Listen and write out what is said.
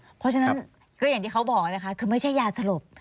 เพราะฉะนั้นคืออย่างที่เขาบอกนะคะคือไม่ใช่ยาสลบ